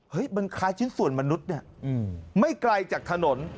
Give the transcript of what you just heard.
มันคล้ายชิ้นส่วนมนุษย์เนี่ยไม่ไกลจากถนน